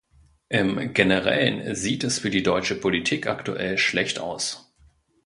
Im generellen sieht es für die deutsche Politik aktuell schlecht aus.